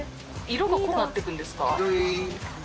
色が濃くなってくんですか？